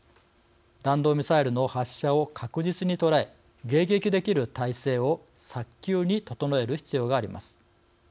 弾道ミサイルの発射を確実に捉え迎撃できる体制を早急に整える必要があります。